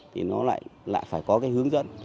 thì nó lại phải có cái hướng dẫn